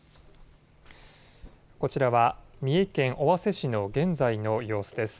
こちらは三重県尾鷲市の現在の様子です。